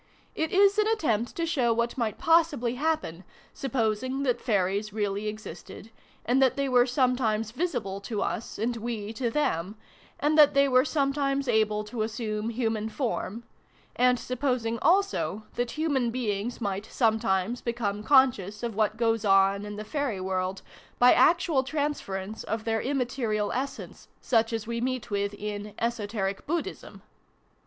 It is an attempt to show what might possibly happen, suppos ing that Fairies really existed ; and that they were sometimes visible to us, and we to them ; and that they were sometimes able to assume human form : and supposing, also, that human beings might some times become conscious of what goes on in the Fairy world by actual transference of their immaterial essence, such as we meet with in ' Esoteric Buddhism.'